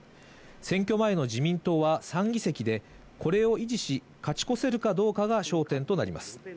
選挙前の自民党は３議席で、これを維持し、勝ち越せるかどうかが焦点となります。